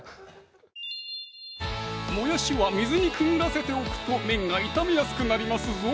もやしは水にくぐらせておくと麺が炒めやすくなりますぞ